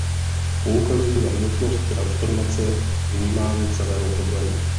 Poukazují na nutnost transformace vnímání celého problému.